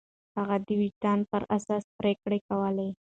هغه د وجدان پر اساس پرېکړې کولې.